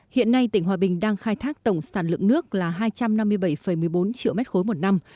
hiện nay tỉnh hòa bình đang khai thác tổng sản lượng nước là hai trăm năm mươi bảy một mươi bốn triệu m ba một năm